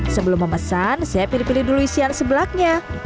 sebelum memesan saya pilih pilih dulu isian sebelaknya